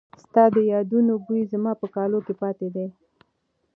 ستا د یادونو بوی زما په کالو کې پاتې دی.